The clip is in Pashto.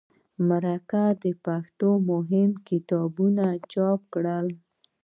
مرکې د پښتو مهم کتابونه چاپ کړل.